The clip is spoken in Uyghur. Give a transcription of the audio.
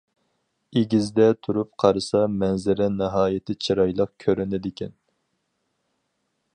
ئېگىزدە تۇرۇپ قارىسا مەنزىرە ناھايىتى چىرايلىق كۆرۈنىدىكەن.